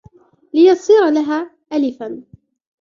لِيَصِيرَ لَهَا آلِفًا